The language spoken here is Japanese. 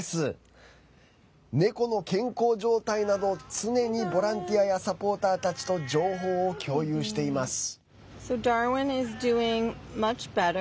猫の健康状態などを常にボランティアやサポーターたちと情報を共有しています。